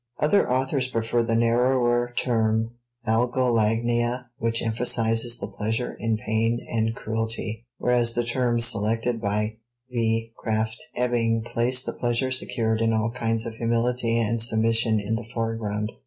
Other authors prefer the narrower term algolagnia which emphasizes the pleasure in pain and cruelty, whereas the terms selected by v. Krafft Ebing place the pleasure secured in all kinds of humility and submission in the foreground.